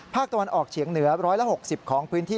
ภาคตะวันออกเฉียงเหนือฝนตกร้อยละ๖๐ของพื้นที่